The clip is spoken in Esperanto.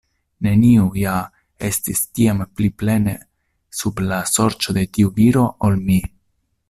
Neniu ja estis tiam pli plene sub la sorĉo de tiu viro, ol mi.